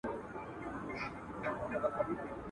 شیخ له زمانو راته په قار دی بیا به نه وینو ..